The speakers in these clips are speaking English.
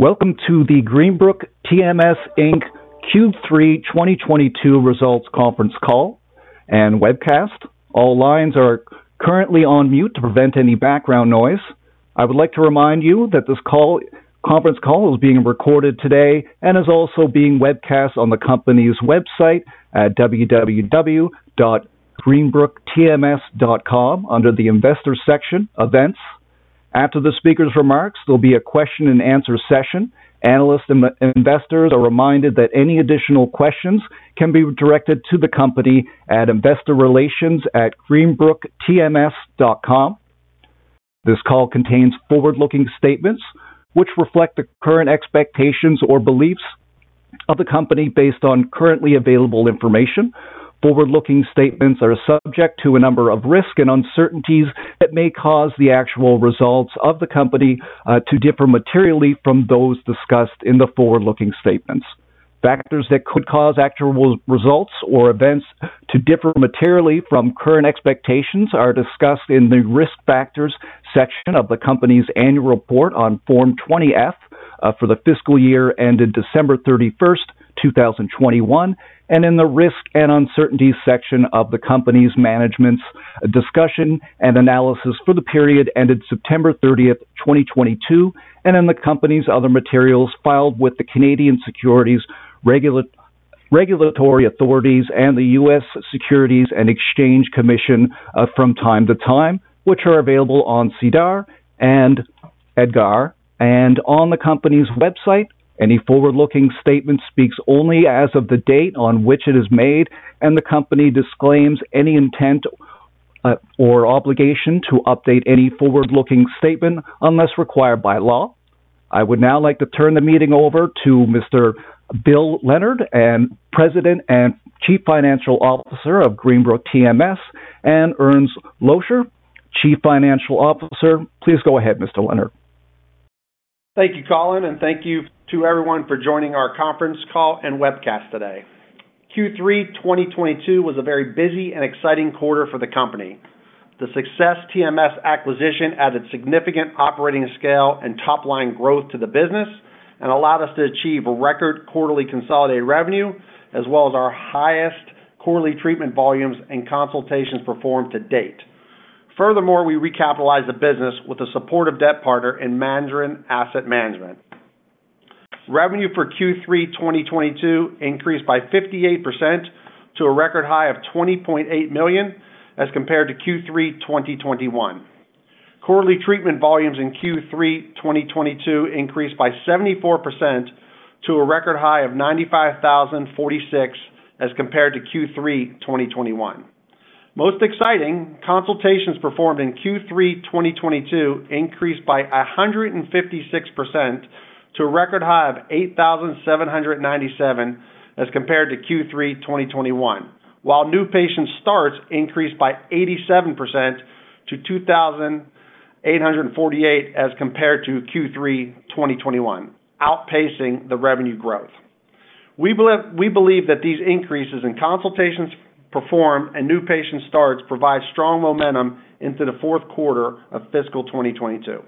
Welcome to the Greenbrook TMS Inc Q3 2022 results conference call and webcast. All lines are currently on mute to prevent any background noise. I would like to remind you that this conference call is being recorded today and is also being webcast on the company's website at www.greenbrooktms.com under the Investors section, Events. After the speaker's remarks, there'll be a question-and-answer session. Analysts and investors are reminded that any additional questions can be directed to the company at investorrelations@greenbrooktms.com. This call contains forward-looking statements which reflect the current expectations or beliefs of the company based on currently available information. Forward-looking statements are subject to a number of risks and uncertainties that may cause the actual results of the company to differ materially from those discussed in the forward-looking statements. Factors that could cause actual results or events to differ materially from current expectations are discussed in the Risk Factors section of the company's annual report on Form 20-F for the fiscal year ended December 31, 2021, and in the Risk and Uncertainties section of the company's management's discussion and analysis for the period ended September 30, 2022, and in the company's other materials filed with the Canadian Securities Administrators and the U.S. Securities and Exchange Commission from time to time, which are available on SEDAR and EDGAR and on the company's website. Any forward-looking statement speaks only as of the date on which it is made, and the company disclaims any intent or obligation to update any forward-looking statement unless required by law. I would now like to turn the meeting over to Mr. Bill Leonard, President and Chief Executive Officer of Greenbrook TMS, and Erns Loubser, Chief Financial Officer. Please go ahead, Mr. Leonard. Thank you, Colin, and thank you to everyone for joining our conference call and webcast today. Q3 2022 was a very busy and exciting quarter for the company. The Success TMS acquisition added significant operating scale and top-line growth to the business and allowed us to achieve a record quarterly consolidated revenue as well as our highest quarterly treatment volumes and consultations performed to date. Furthermore, we recapitalized the business with the support of debt partner in Madryn Asset Management. Revenue for Q3 2022 increased by 58% to a record high of $20.8 million as compared to Q3 2021. Quarterly treatment volumes in Q3 2022 increased by 74% to a record high of 95,046 as compared to Q3 2021. Most exciting, consultations performed in Q3 2022 increased by 156% to a record high of 8,797 as compared to Q3 2021. While new patient starts increased by 87% to 2,848 as compared to Q3 2021, outpacing the revenue growth. We believe that these increases in consultations performed and new patient starts provide strong momentum into the fourth quarter of fiscal 2022.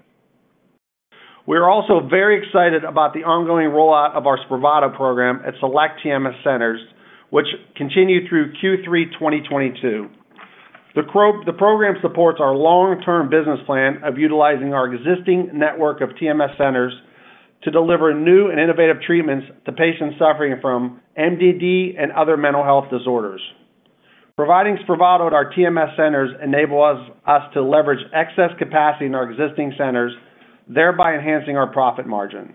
We are also very excited about the ongoing rollout of our Spravato program at select TMS centers, which continued through Q3 2022. The program supports our long-term business plan of utilizing our existing network of TMS centers to deliver new and innovative treatments to patients suffering from MDD and other mental health disorders. Providing Spravato at our TMS centers enable us to leverage excess capacity in our existing centers, thereby enhancing our profit margin.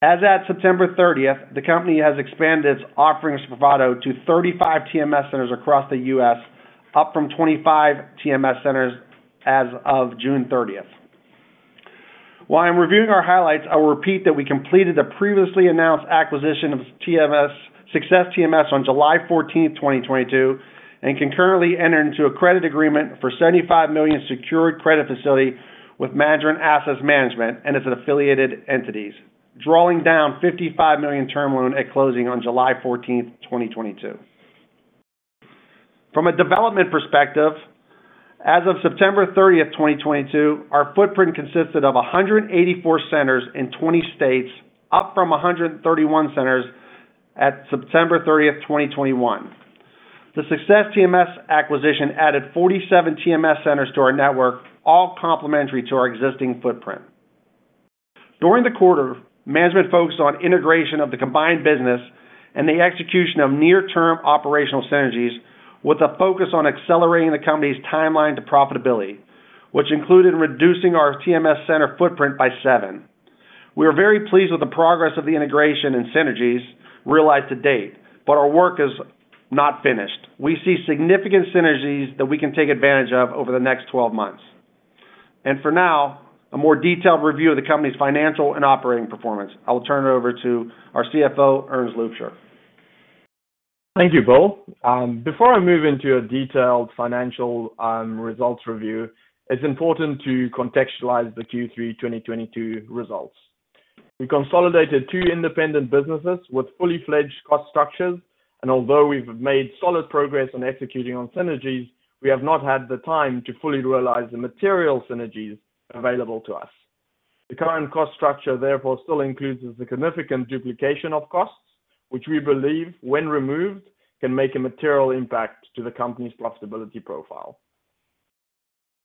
As at September 30, the company has expanded its offering of Spravato to 35 TMS centers across the U.S., up from 25 TMS centers as of June 30. While I'm reviewing our highlights, I will repeat that we completed the previously announced acquisition of Success TMS on July 14, 2022, and concurrently entered into a credit agreement for $75 million secured credit facility with Madryn Asset Management and its affiliated entities, drawing down $55 million term loan at closing on July 14, 2022. From a development perspective, as of September 30, 2022, our footprint consisted of 184 centers in 20 states, up from 131 centers at September 30, 2021. The Success TMS acquisition added 47 TMS centers to our network, all complementary to our existing footprint. During the quarter, management focused on integration of the combined business and the execution of near-term operational synergies with a focus on accelerating the company's timeline to profitability, which included reducing our TMS center footprint by 7. We are very pleased with the progress of the integration and synergies realized to date, but our work is not finished. We see significant synergies that we can take advantage of over the next 12 months. For now, a more detailed review of the company's financial and operating performance. I will turn it over to our CFO, Erns Loubser. Thank you, Bill. Before I move into a detailed financial results review, it's important to contextualize the Q3 2022 results. We consolidated two independent businesses with fully fledged cost structures. Although we've made solid progress on executing on synergies, we have not had the time to fully realize the material synergies available to us. The current cost structure, therefore, still includes the significant duplication of costs, which we believe, when removed, can make a material impact to the company's profitability profile.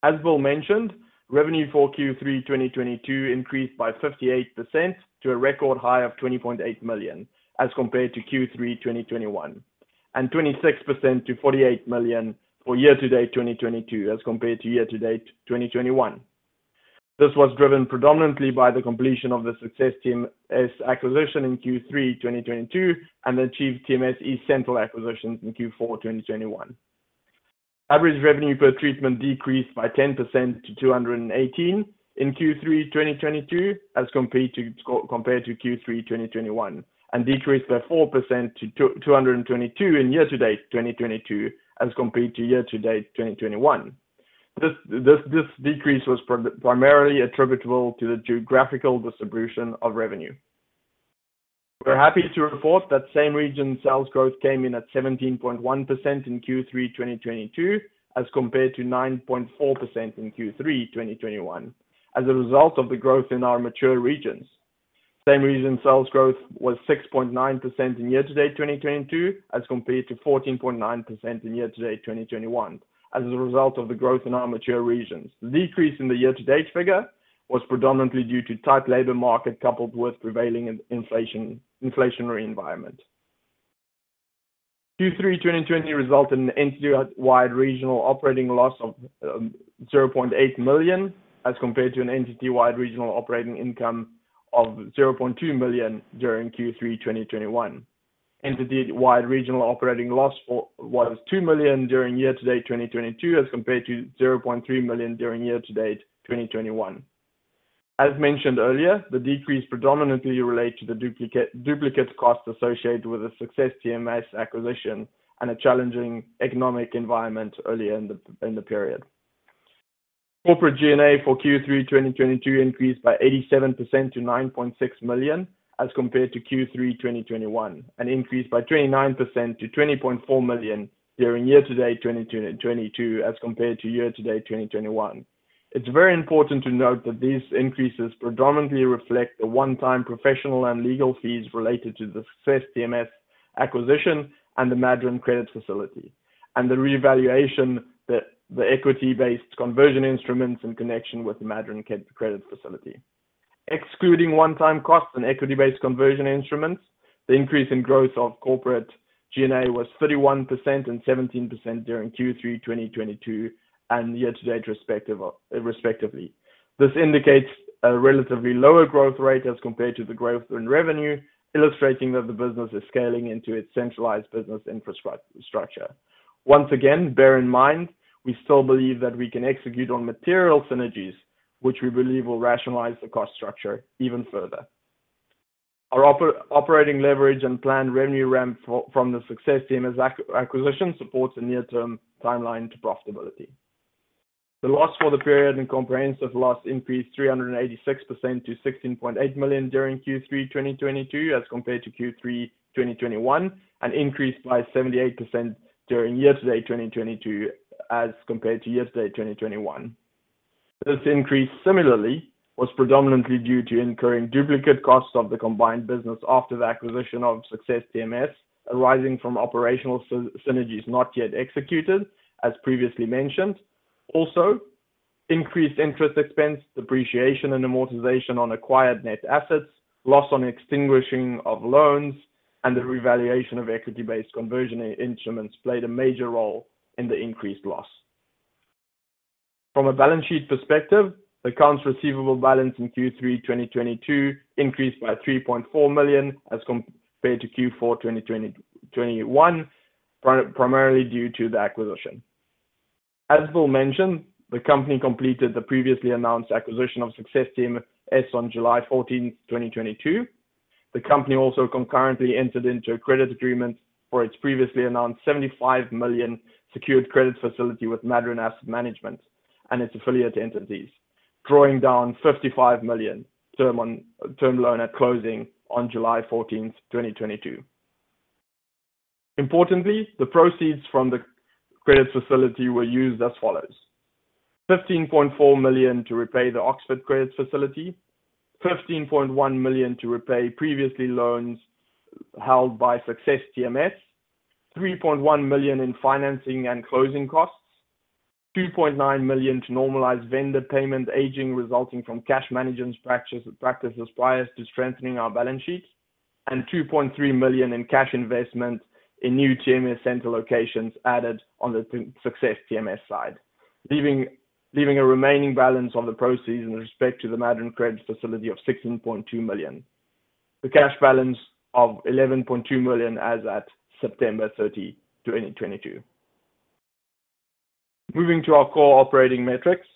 As Bill mentioned, revenue for Q3 2022 increased by 58% to a record high of $20.8 million as compared to Q3 2021, and 26% to $48 million for year-to-date 2022 as compared to year-to-date 2021. This was driven predominantly by the completion of the Success TMS acquisition in Q3 2022, and the Achieve TMS Centers acquisitions in Q4 2021. Average revenue per treatment decreased by 10% to $218 in Q3 2022, as compared to Q3 2021. Decreased by 4% to $222 in year-to-date 2022, as compared to year-to-date 2021. This decrease was primarily attributable to the geographical distribution of revenue. We're happy to report that same region sales growth came in at 17.1% in Q3 2022, as compared to 9.4% in Q3 2021. As a result of the growth in our mature regions. Same region sales growth was 6.9% year-to-date 2022, as compared to 14.9% year-to-date 2021, as a result of the growth in our mature regions. The decrease in the year-to-date figure was predominantly due to tight labor market, coupled with prevailing inflationary environment. Q3 2022 resulted in an entity-wide regional operating loss of $0.8 million, as compared to an entity-wide regional operating income of $0.2 million during Q3 2021. Entity-wide regional operating loss was $2 million during year-to-date 2022, as compared to $0.3 million during year-to-date 2021. As mentioned earlier, the decrease predominantly relates to the duplicate costs associated with the Success TMS acquisition and a challenging economic environment earlier in the period. Corporate G&A for Q3 2022 increased by 87% to $9.6 million, as compared to Q3 2021, and increased by 29% to $20.4 million during year-to-date 2022, as compared to year-to-date 2021. It's very important to note that these increases predominantly reflect the one-time professional and legal fees related to the Success TMS acquisition and the Madryn credit facility, and the revaluation that the equity-based conversion instruments in connection with the Madryn credit facility. Excluding one-time costs and equity-based conversion instruments, the increase in growth of corporate G&A was 31% and 17% during Q3 2022 and year-to-date, respectively. This indicates a relatively lower growth rate as compared to the growth in revenue, illustrating that the business is scaling into its centralized business infrastructure. Once again, bear in mind, we still believe that we can execute on material synergies, which we believe will rationalize the cost structure even further. Our operating leverage and planned revenue ramp from the Success TMS acquisition supports a near-term timeline to profitability. The loss for the period and comprehensive loss increased 386% to $16.8 million during Q3 2022, as compared to Q3 2021, and increased by 78% during year-to-date 2022, as compared to year-to-date 2021. This increase similarly was predominantly due to incurring duplicate costs of the combined business after the acquisition of Success TMS, arising from operational synergies not yet executed, as previously mentioned. Also, increased interest expense, depreciation and amortization on acquired net assets, loss on extinguishing of loans, and the revaluation of equity-based conversion instruments played a major role in the increased loss. From a balance sheet perspective, accounts receivable balance in Q3 2022 increased by $3.4 million, as compared to Q4 2021, primarily due to the acquisition. As Bill mentioned, the company completed the previously announced acquisition of Success TMS on July 14, 2022. The company also concurrently entered into a credit agreement for its previously announced $75 million secured credit facility with Madryn Asset Management and its affiliate entities, drawing down $55 million term loan at closing on July 14, 2022. Importantly, the proceeds from the credit facility were used as follows: $15.4 million to repay the Oxford credit facility, $15.1 million to repay previous loans held by Success TMS, $3.1 million in financing and closing costs, $2.9 million to normalize vendor payment aging resulting from cash management practices prior to strengthening our balance sheet, and $2.3 million in cash investment in new TMS center locations added on the Success TMS side. Leaving a remaining balance on the proceeds in respect to the Madryn credit facility of $16.2 million. The cash balance of $11.2 million as at September 30, 2022. Moving to our core operating metrics.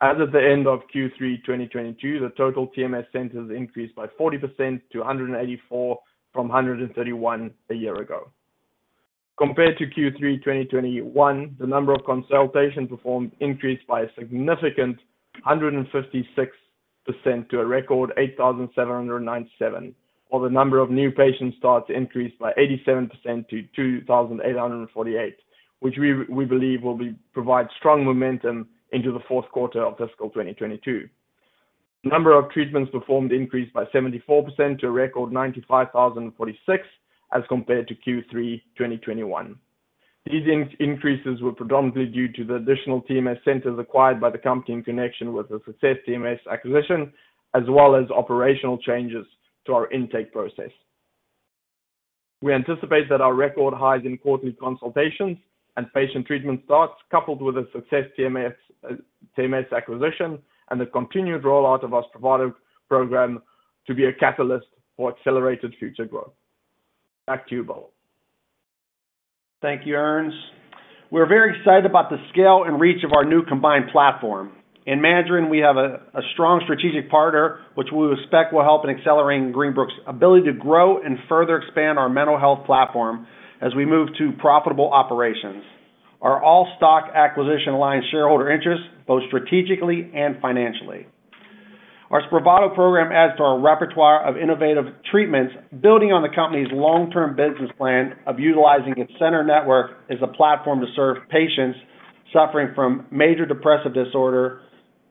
As of the end of Q3 2022, the total TMS centers increased by 40% to 184 from 131 a year ago. Compared to Q3 2021, the number of consultations performed increased by a significant 156% to a record 8,797, while the number of new patient starts increased by 87% to 2,848, which we believe will provide strong momentum into the fourth quarter of fiscal 2022. The number of treatments performed increased by 74% to a record 95,046 as compared to Q3 2021. These increases were predominantly due to the additional TMS centers acquired by the company in connection with the Success TMS acquisition, as well as operational changes to our intake process. We anticipate that our record highs in quarterly consultations and patient treatment starts coupled with the Success TMS acquisition and the continued rollout of our Spravato program to be a catalyst for accelerated future growth. Back to you, Bill. Thank you, Erns. We're very excited about the scale and reach of our new combined platform. In Maryland, we have a strong strategic partner which we expect will help in accelerating Greenbrook's ability to grow and further expand our mental health platform as we move to profitable operations. Our all-stock acquisition aligns shareholder interests, both strategically and financially. Our Spravato program adds to our repertoire of innovative treatments, building on the company's long-term business plan of utilizing its center network as a platform to serve patients suffering from major depressive disorder,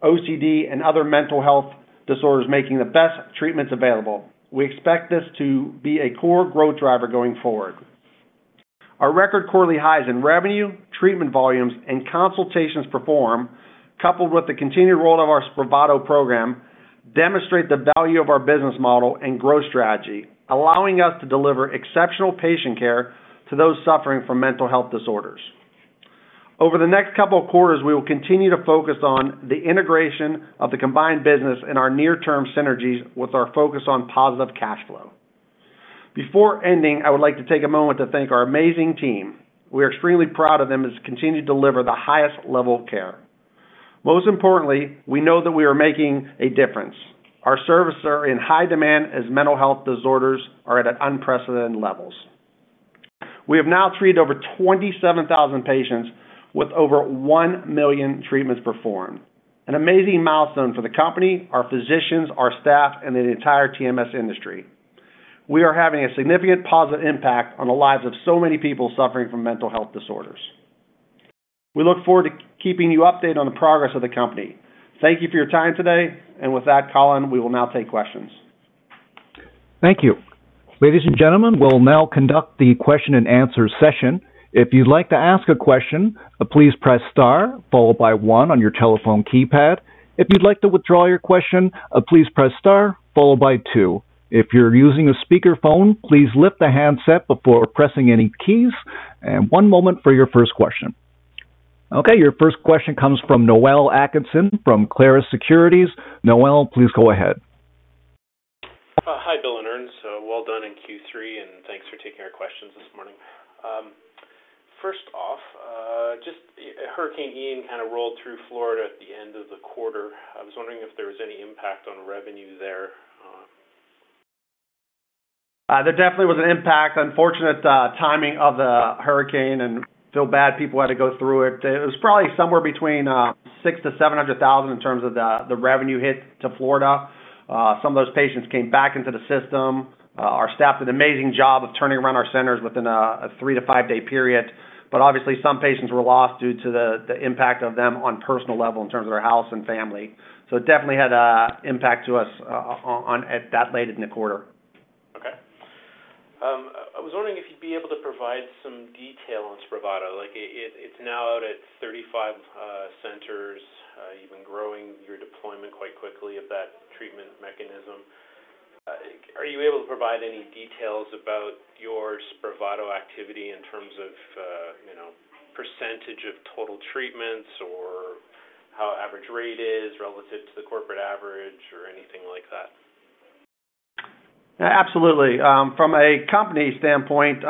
OCD, and other mental health disorders, making the best treatments available. We expect this to be a core growth driver going forward. Our record quarterly highs in revenue, treatment volumes, and consultations performed, coupled with the continued rollout of our Spravato program, demonstrate the value of our business model and growth strategy, allowing us to deliver exceptional patient care to those suffering from mental health disorders. Over the next couple of quarters, we will continue to focus on the integration of the combined business and our near-term synergies with our focus on positive cash flow. Before ending, I would like to take a moment to thank our amazing team. We are extremely proud of them as they continue to deliver the highest level of care. Most importantly, we know that we are making a difference. Our services are in high demand as mental health disorders are at unprecedented levels. We have now treated over 27,000 patients with over 1 million treatments performed, an amazing milestone for the company, our physicians, our staff, and the entire TMS industry. We are having a significant positive impact on the lives of so many people suffering from mental health disorders. We look forward to keeping you updated on the progress of the company. Thank you for your time today. With that, Colin, we will now take questions. Thank you. Ladies and gentlemen, we'll now conduct the question and answer session. If you'd like to ask a question, please press star followed by one on your telephone keypad. If you'd like to withdraw your question, please press star followed by two. If you're using a speakerphone, please lift the handset before pressing any keys. One moment for your first question. Okay, your first question comes from Noel Atkinson from Clarus Securities. Noel, please go ahead. Hi, Bill and Erns. Well done in Q3, and thanks for taking our questions this morning. First off, just Hurricane Ian kind of rolled through Florida at the end of the quarter. I was wondering if there was any impact on revenue there. There definitely was an impact. Unfortunate timing of the hurricane, and feel bad people had to go through it. It was probably somewhere between $600,000-$700,000 in terms of the revenue hit to Florida. Some of those patients came back into the system. Our staff did an amazing job of turning around our centers within a three-to-five-day period. Obviously, some patients were lost due to the impact of them on personal level in terms of their house and family. It definitely had an impact to us on, at that late in the quarter. Okay. I was wondering if you'd be able to provide some detail on Spravato. Like, it's now out at 35 centers. You've been growing your deployment quite quickly of that treatment mechanism. Are you able to provide any details about your Spravato activity in terms of, you know, percentage of total treatments or how average rate is relative to the corporate average or anything like that? Absolutely. From a company standpoint,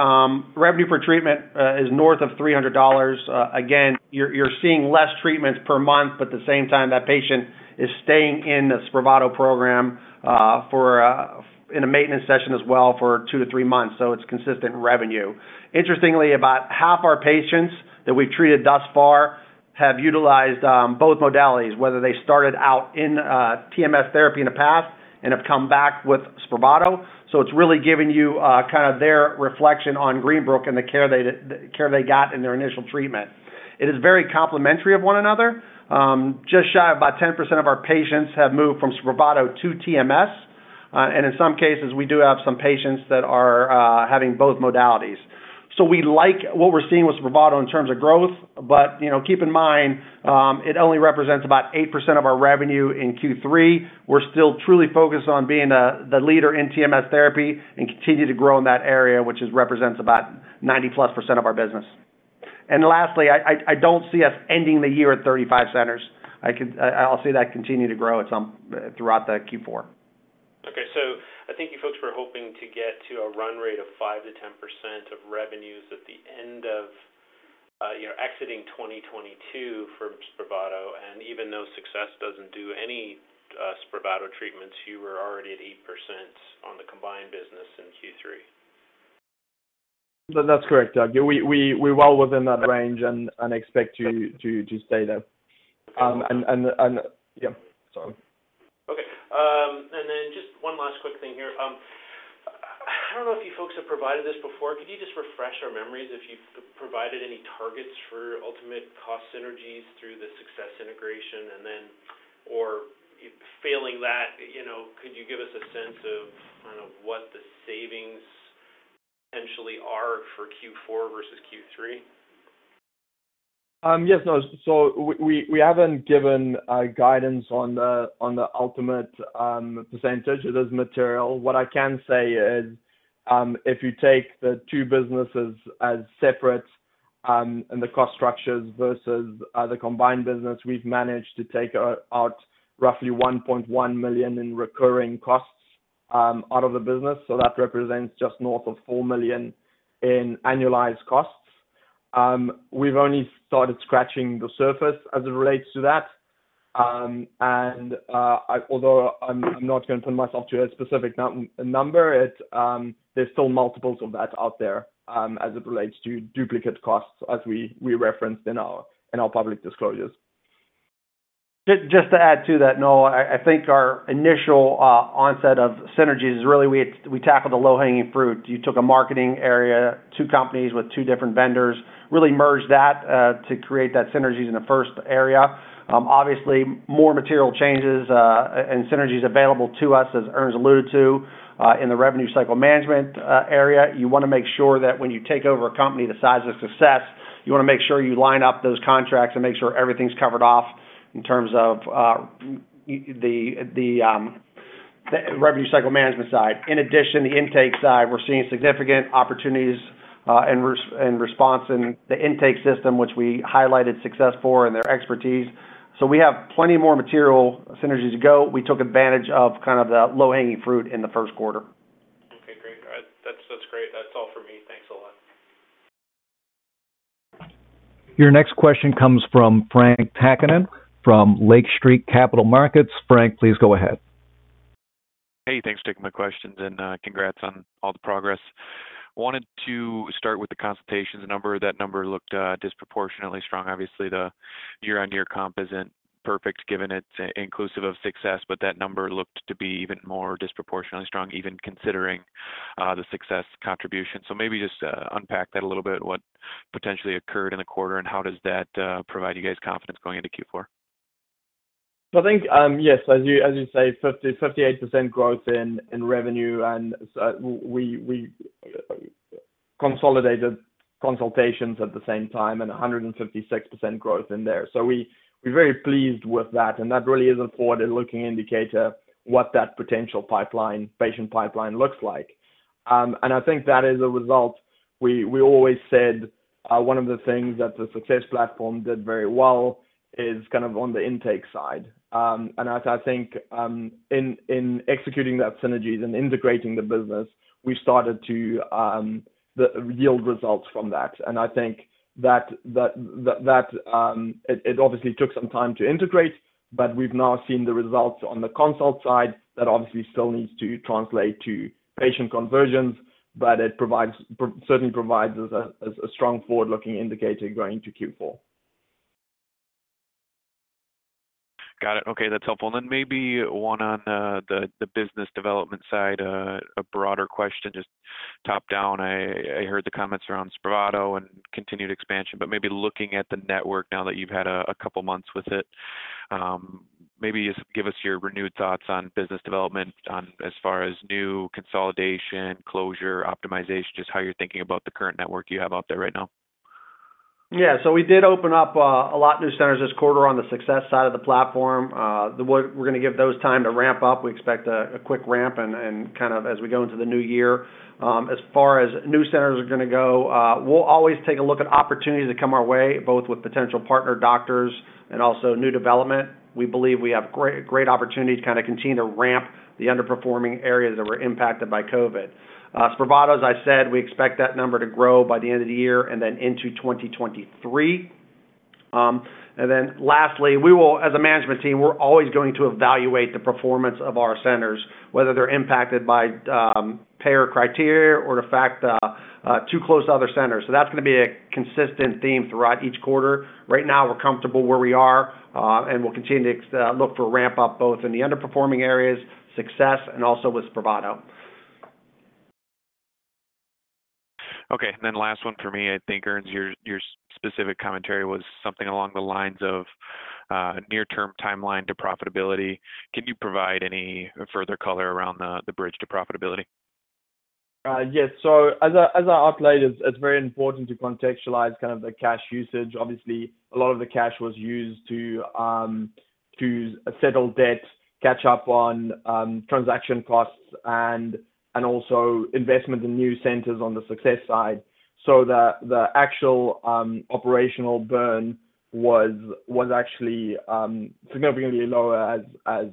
revenue per treatment is north of $300. Again, you're seeing less treatments per month, but at the same time, that patient is staying in the Spravato program in a maintenance session as well for two to three months. It's consistent revenue. Interestingly, about half our patients that we've treated thus far have utilized both modalities, whether they started out in TMS therapy in the past and have come back with Spravato. It's really giving you kind of their reflection on Greenbrook and the care they got in their initial treatment. It is very complementary of one another. Just shy of about 10% of our patients have moved from Spravato to TMS. In some cases, we do have some patients that are having both modalities. We like what we're seeing with Spravato in terms of growth, but, you know, keep in mind, it only represents about 8% of our revenue in Q3. We're still truly focused on being the leader in TMS therapy and continue to grow in that area, which represents about 90%+ of our business. Lastly, I don't see us ending the year at 35 centers. I'll see that continue to grow throughout the Q4. Okay. I think you folks were hoping to get to a run rate of 5%-10% of revenues at the end, you know, exiting 2022 for Spravato, and even though Success doesn't do any Spravato treatments, you were already at 8% on the combined business in Q3. That's correct, Doug. We're well within that range. Yeah. Sorry. Okay. Just one last quick thing here. I don't know if you folks have provided this before. Could you just refresh our memories if you've provided any targets for ultimate cost synergies through the Success integration? Or failing that, you know, could you give us a sense of kind of what the savings potentially are for Q4 versus Q3? Yes. No. We haven't given guidance on the ultimate percentage. It is material. What I can say is, if you take the two businesses as separate, and the cost structures versus the combined business, we've managed to take out roughly $1.1 million in recurring costs out of the business. That represents just north of $4 million in annualized costs. We've only started scratching the surface as it relates to that. Although I'm not gonna put myself to a specific number, there's still multiples of that out there, as it relates to duplicate costs, as we referenced in our public disclosures. Just to add to that, Noel, I think our initial onset of synergies, really, we tackled the low-hanging fruit. You took a marketing area, two companies with two different vendors, really merged that to create that synergies in the first area. Obviously, more material changes and synergies available to us, as Erns alluded to, in the revenue cycle management area. You wanna make sure that when you take over a company the size of Success, you wanna make sure you line up those contracts and make sure everything's covered off in terms of the revenue cycle management side. In addition, the intake side, we're seeing significant opportunities and response in the intake system, which we highlighted Success for and their expertise. We have plenty more material synergies to go. We took advantage of kind of the low-hanging fruit in the first quarter. Okay, great. All right. That's great. That's all for me. Thanks a lot. Your next question comes from Frank Takkinen from Lake Street Capital Markets. Frank, please go ahead. Hey, thanks for taking my questions and congrats on all the progress. Wanted to start with the consultations number. That number looked disproportionately strong. Obviously, the year-on-year comp isn't perfect given it's inclusive of Success, but that number looked to be even more disproportionately strong, even considering the Success contribution. Maybe just unpack that a little bit, what potentially occurred in the quarter, and how does that provide you guys confidence going into Q4? I think, yes, as you say, 58% growth in revenue. We consolidated consultations at the same time and 156% growth in there. We're very pleased with that, and that really is a forward-looking indicator what that potential pipeline, patient pipeline looks like. I think that is a result. We always said, one of the things that the Success TMS did very well is kind of on the intake side. As I think in executing that synergies and integrating the business, we started to yield results from that. I think that it obviously took some time to integrate, but we've now seen the results on the consult side that obviously still needs to translate to patient conversions, but it certainly provides us a strong forward-looking indicator going into Q4. Got it. Okay. That's helpful. Maybe one on the business development side, a broader question, just top down. I heard the comments around Spravato and continued expansion, but maybe looking at the network now that you've had a couple months with it, maybe just give us your renewed thoughts on business development as far as new consolidation, closure, optimization, just how you're thinking about the current network you have out there right now. Yeah. We did open up a lot new centers this quarter on the Success side of the platform. We're gonna give those time to ramp up. We expect a quick ramp and kind of as we go into the new year. As far as new centers are gonna go, we'll always take a look at opportunities that come our way, both with potential partner doctors and also new development. We believe we have great opportunities to kind of continue to ramp the underperforming areas that were impacted by COVID. Spravato, as I said, we expect that number to grow by the end of the year and then into 2023. Lastly, as a management team, we're always going to evaluate the performance of our centers, whether they're impacted by payer criteria or the fact they're too close to other centers. That's gonna be a consistent theme throughout each quarter. Right now, we're comfortable where we are, and we'll continue to look for ramp-up both in the underperforming areas, Success, and also with Spravato. Okay. Last one for me. I think, Erns, your specific commentary was something along the lines of, near-term timeline to profitability. Can you provide any further color around the bridge to profitability? Yes. As I outlined, it's very important to contextualize kind of the cash usage. Obviously, a lot of the cash was used to settle debt, catch up on transaction costs and also investment in new centers on the Success side. The actual operational burn was actually significantly lower as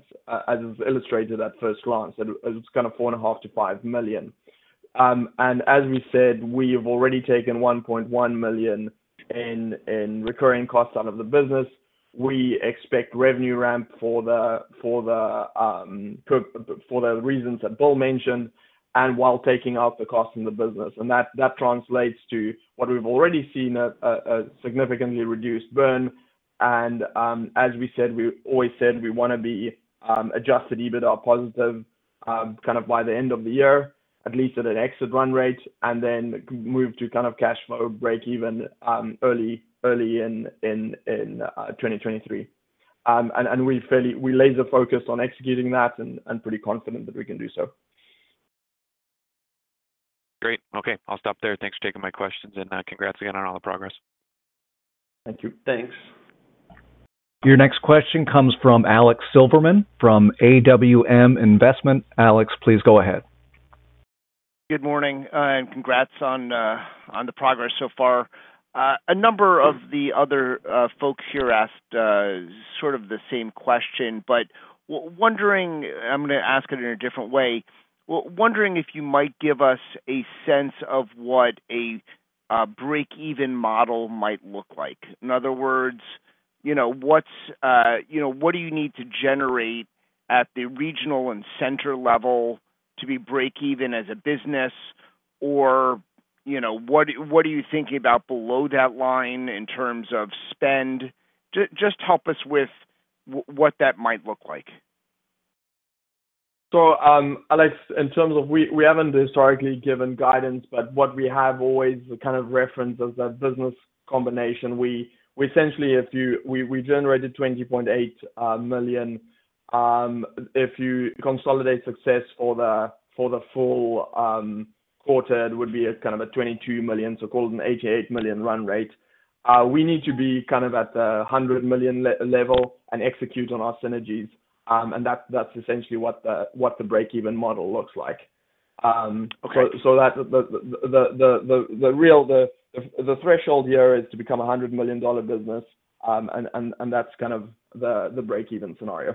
illustrated at first glance. It's kinda $4.5 million-$5 million. And as we said, we have already taken $1.1 million in recurring costs out of the business. We expect revenue ramp for the reasons that Bill mentioned and while taking out the cost in the business. That translates to what we've already seen, a significantly reduced burn, as we said, we always said we wanna be adjusted EBITDA positive, kind of by the end of the year, at least at an exit run rate, and then move to kind of cash flow breakeven early in 2023. We laser focus on executing that and pretty confident that we can do so. Great. Okay. I'll stop there. Thanks for taking my questions, and congrats again on all the progress. Thank you. Thanks. Your next question comes from Alex Silverman from AWM Investment. Alex, please go ahead. Good morning, congrats on the progress so far. A number of the other folks here asked sort of the same question. I'm gonna ask it in a different way. Wondering if you might give us a sense of what a breakeven model might look like. In other words, you know, what's, you know, what do you need to generate at the regional and center level to be breakeven as a business? Or, you know, what are you thinking about below that line in terms of spend? Just help us with what that might look like. Alex, in terms of, we haven't historically given guidance, but what we have always kind of referenced is that business combination. We essentially generated $20.8 million. If you consolidate Success for the full quarter, it would be a kind of a $22 million, so call it an $88 million run rate. We need to be kind of at the $100 million level and execute on our synergies, and that's essentially what the breakeven model looks like. Okay. The real threshold here is to become a $100 million business, and that's kind of the breakeven scenario.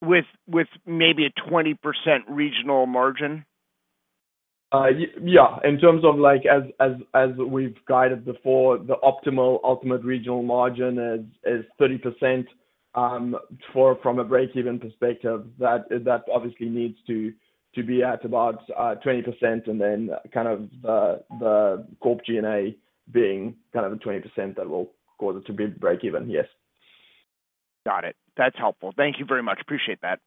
With maybe a 20% regional margin? Yeah. In terms of, like, as we've guided before, the optimal ultimate regional margin is 30% from a breakeven perspective. That obviously needs to be at about 20% and then kind of the corp G&A being kind of the 20% that will cause it to be breakeven. Yes. Got it. That's helpful. Thank you very much. Appreciate that.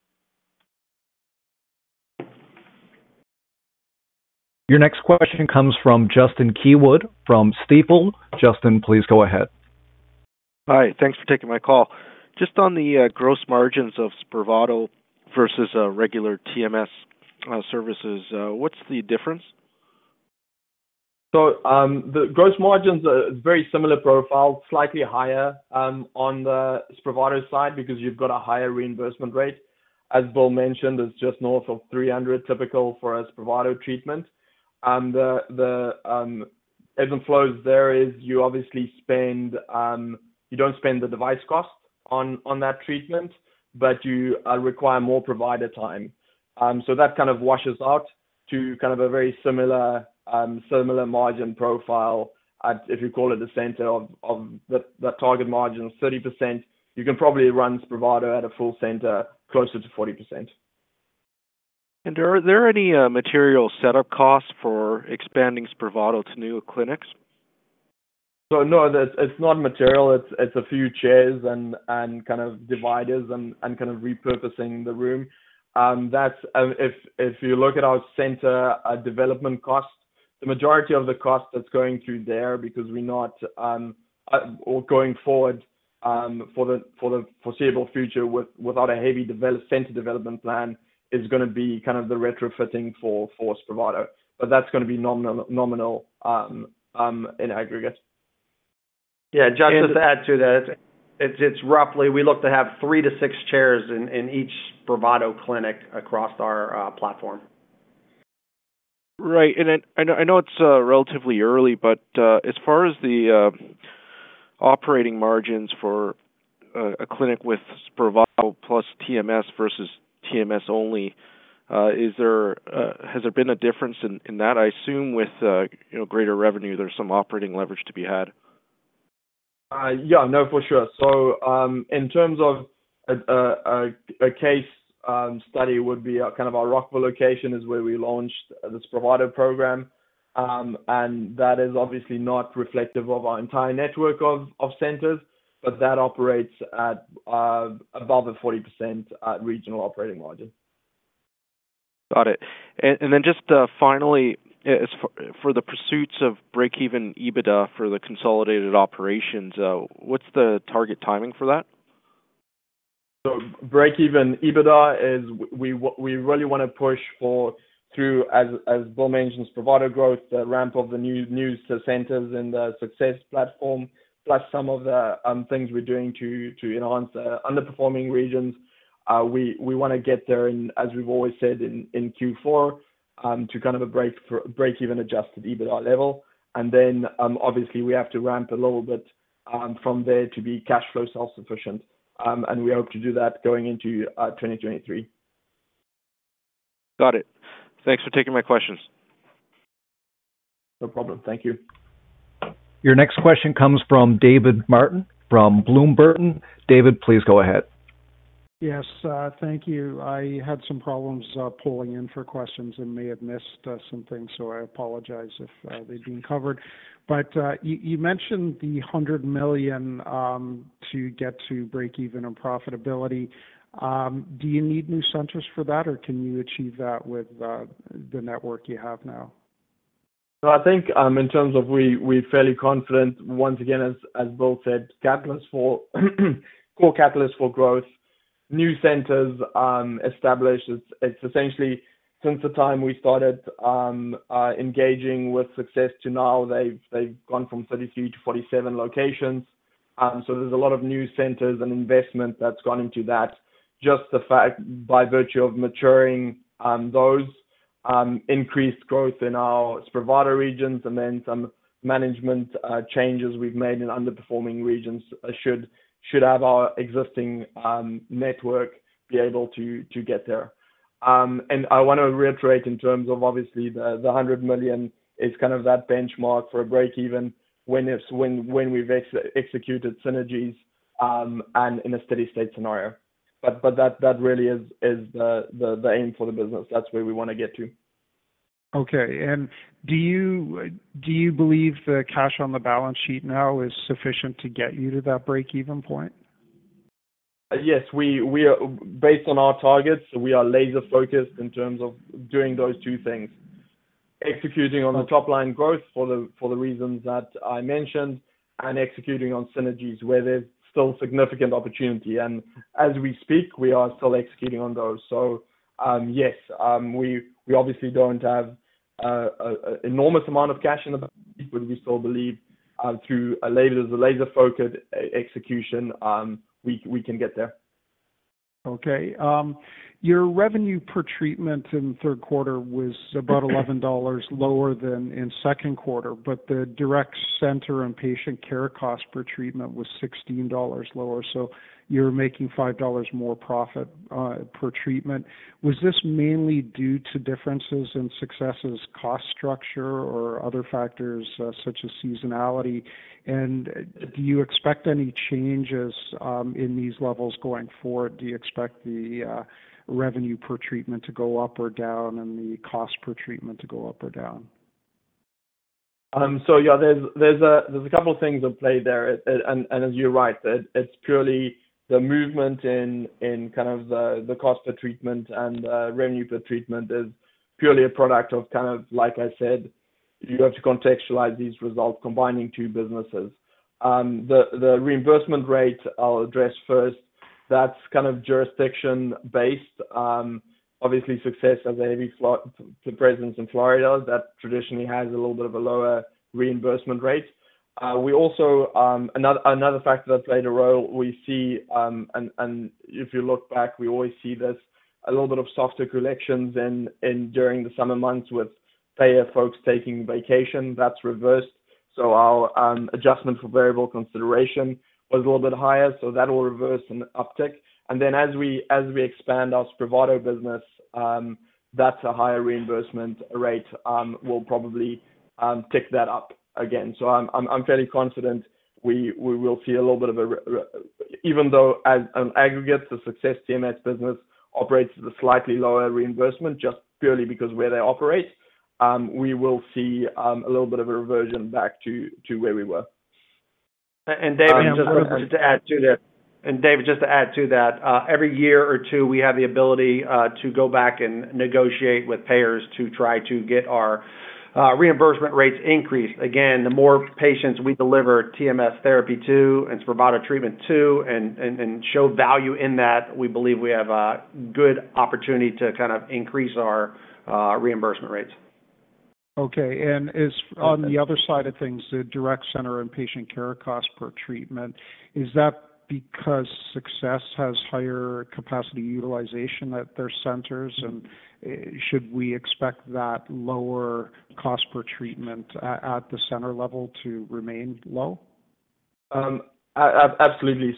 Your next question comes from Justin Keywood from Stifel. Justin, please go ahead. Hi. Thanks for taking my call. Just on the gross margins of Spravato versus regular TMS services, what's the difference? The gross margins are very similar profile, slightly higher, on the Spravato side because you've got a higher reimbursement rate. As Bill mentioned, it's just north of $300 typical for a Spravato treatment. The ebbs and flows there is you obviously spend, you don't spend the device cost on that treatment, but you require more provider time. That kind of washes out to kind of a very similar margin profile at, if you call it the center of the that target margin of 30%. You can probably run Spravato at a full center closer to 40%. Are there any material setup costs for expanding Spravato to new clinics? No, it's not material. It's a few chairs and kind of dividers and kind of repurposing the room. If you look at our center development costs, the majority of the cost that's going through there because we're not going forward for the foreseeable future without a heavy center development plan is gonna be kind of the retrofitting for Spravato. That's gonna be nominal in aggregate. Yeah. Justin, to add to that, it's roughly we look to have three to six chairs in each Spravato clinic across our platform. Right. I know it's relatively early, but as far as the operating margins for a clinic with Spravato plus TMS versus TMS only, has there been a difference in that? I assume with you know, greater revenue, there's some operating leverage to be had. Yeah. No, for sure. In terms of a case study would be kind of our Rockville location is where we launched the Spravato program. That is obviously not reflective of our entire network of centers, but that operates at above the 40% regional operating margin. Got it. Just, finally, as for the pursuits of breakeven EBITDA for the consolidated operations, what's the target timing for that? Breakeven EBITDA is, we really want to push for it through, as Bill mentioned, Spravato growth, the ramp of the new centers and the Success platform, plus some of the things we're doing to enhance underperforming regions. We want to get there and as we've always said in Q4 to kind of a breakeven adjusted EBITDA level. Then, obviously we have to ramp a little bit from there to be cash flow self-sufficient. We hope to do that going into 2023. Got it. Thanks for taking my questions. No problem. Thank you. Your next question comes from David Martin from Bloom Burton. David, please go ahead. Yes, thank you. I had some problems pulling in for questions and may have missed some things, so I apologize if they've been covered. You mentioned the $100 million to get to breakeven and profitability. Do you need new centers for that, or can you achieve that with the network you have now? I think in terms of we're fairly confident once again as Bill said, core catalysts for growth. New centers established. It's essentially since the time we started engaging with Success to now, they've gone from 33 to 47 locations. So there's a lot of new centers and investment that's gone into that. Just the fact by virtue of maturing those increased growth in our Spravato regions and then some management changes we've made in underperforming regions should have our existing network be able to get there. I wanna reiterate in terms of obviously the $100 million is kind of that benchmark for a breakeven when we've executed synergies and in a steady state scenario. That really is the aim for the business. That's where we wanna get to. Okay. Do you believe the cash on the balance sheet now is sufficient to get you to that breakeven point? Yes. Based on our targets, we are laser-focused in terms of doing those two things, executing on the top-line growth for the reasons that I mentioned, and executing on synergies where there's still significant opportunity. As we speak, we are still executing on those. Yes. We obviously don't have an enormous amount of cash in the bank, but we still believe through laser-focused execution, we can get there. Okay. Your revenue per treatment in the third quarter was about $11 lower than in second quarter, but the direct center and patient care cost per treatment was $16 lower, so you're making $5 more profit per treatment. Was this mainly due to differences in Success's cost structure or other factors such as seasonality? Do you expect any changes in these levels going forward? Do you expect the revenue per treatment to go up or down and the cost per treatment to go up or down? Yeah, there's a couple things at play there. As you're right, it's purely the movement in kind of the cost per treatment and revenue per treatment is purely a product of kind of like I said. You have to contextualize these results combining two businesses. The reimbursement rate I'll address first. That's kind of jurisdiction based. Obviously, Success has a heavy presence in Florida that traditionally has a little bit of a lower reimbursement rate. We also. Another factor that's played a role, we see, and if you look back, we always see this, a little bit of softer collections during the summer months with payer folks taking vacation. That's reversed. Our adjustment for variable consideration was a little bit higher, so that will reverse in uptick. As we expand our Spravato business, that's a higher reimbursement rate, will probably tick that up again. I'm fairly confident we will see a little bit of a reversion, even though as an aggregate, the Success TMS business operates at a slightly lower reimbursement, just purely because where they operate, we will see a little bit of a reversion back to where we were. David, just to add to that. Every year or two, we have the ability to go back and negotiate with payers to try to get our reimbursement rates increased. Again, the more patients we deliver TMS therapy to and Spravato treatment to and show value in that, we believe we have a good opportunity to kind of increase our reimbursement rates. Okay. Is on the other side of things, the direct center and patient care cost per treatment, is that because Success has higher capacity utilization at their centers, and should we expect that lower cost per treatment at the center level to remain low? Absolutely.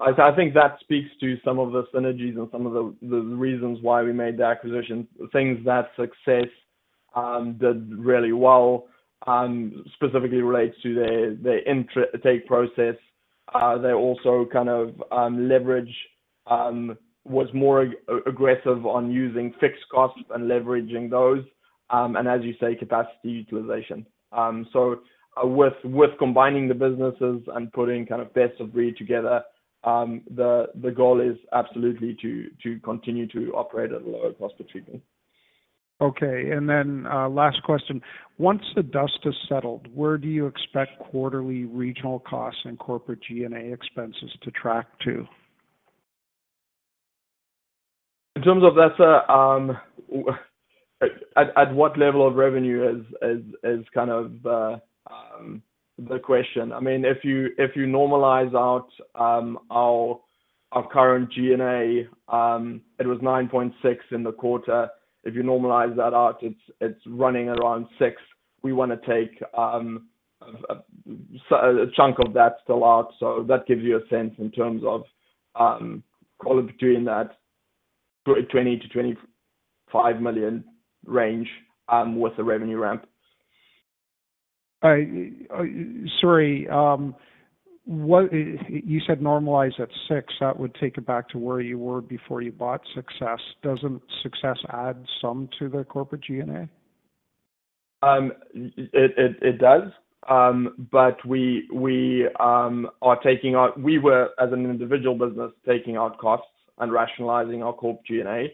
I think that speaks to some of the synergies and some of the reasons why we made the acquisition. Things that Success did really well, specifically relates to their intake process. They also kind of was more aggressive on using fixed costs and leveraging those, and as you say, capacity utilization. With combining the businesses and putting kind of best of breed together, the goal is absolutely to continue to operate at a lower cost of treatment. Okay. Last question. Once the dust is settled, where do you expect quarterly regional costs and corporate G&A expenses to track to? In terms of that, at what level of revenue is kind of the question. I mean, if you normalize out our current G&A, it was $9.6 in the quarter. If you normalize that out, it's running around $6. We wanna take a chunk of that still out. That gives you a sense in terms of quality between that $20 million-$25 million range with the revenue ramp. You said normalize at 6. That would take it back to where you were before you bought Success. Doesn't Success add some to the corporate G&A? It does. We were, as an individual business, taking out costs and rationalizing our corp G&A.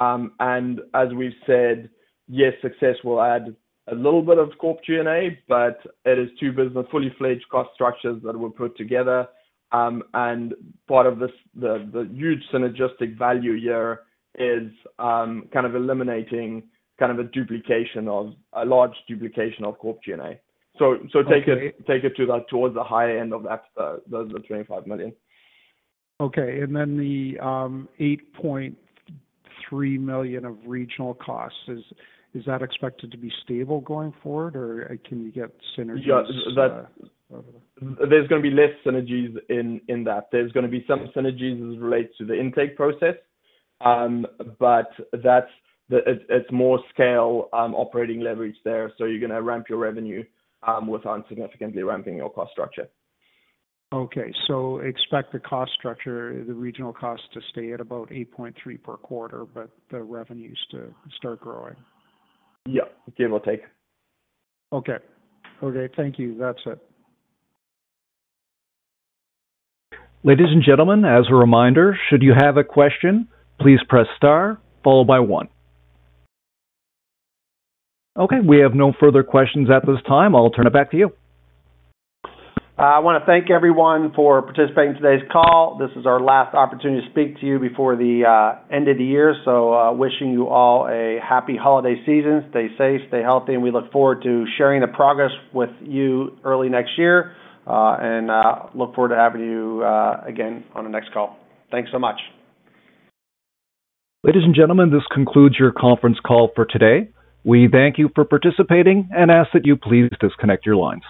As we've said, yes, Success TMS will add a little bit of corp G&A, but it is two business fully fledged cost structures that were put together. Part of this, the huge synergistic value here is kind of eliminating a duplication of a large duplication of corp G&A. Take it. Okay. Towards the higher end of that, $25 million. Then the $8.3 million of regional costs. Is that expected to be stable going forward or can you get synergies? Yeah. There's gonna be less synergies in that. There's gonna be some synergies as it relates to the intake process. It's more scale operating leverage there. You're gonna ramp your revenue with insignificantly ramping your cost structure. Okay. Expect the cost structure, the regional cost to stay at about $8.3 per quarter, but the revenues to start growing. Yeah. Give or take. Okay. Okay, thank you. That's it. Ladies and gentlemen, as a reminder, should you have a question, please press star followed by one. Okay. We have no further questions at this time. I'll turn it back to you. I wanna thank everyone for participating in today's call. This is our last opportunity to speak to you before the end of the year. Wishing you all a happy holiday season. Stay safe, stay healthy, and we look forward to sharing the progress with you early next year, and look forward to having you again on the next call. Thanks so much. Ladies and gentlemen, this concludes your conference call for today. We thank you for participating and ask that you please disconnect your lines.